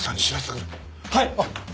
はい！